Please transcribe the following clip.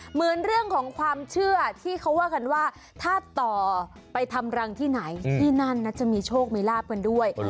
เหมือนเรื่องของความเชื่อที่เขาว่ากันว่าถ้าต่อไปทำรังที่ไหนที่นั่นนะจะมีโชคมีลาบกันด้วย